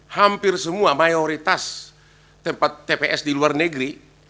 hampir semua mayoritas tempat tps di luar negeri